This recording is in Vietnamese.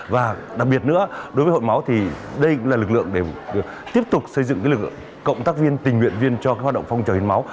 và đặc biệt nữa đối với hội máu thì đây cũng là lực lượng để tiếp tục xây dựng lực lượng cộng tác viên tình nguyện viên cho hoạt động phong trào hiến máu